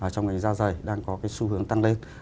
trong ngành da dày đang có cái xu hướng tăng lên